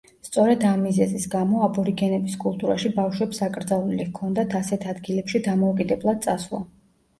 სწორედ ამ მიზეზის გამო, აბორიგენების კულტურაში ბავშვებს აკრძალული ჰქონდათ ასეთ ადგილებში დამოუკიდებლად წასვლა.